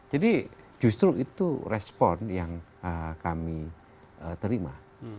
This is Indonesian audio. jadi justru itu respon yang kami terima